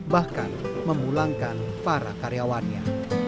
bahkan memulangkan para karyawannya